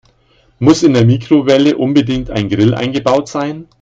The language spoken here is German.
Muss in der Mikrowelle unbedingt ein Grill eingebaut sein?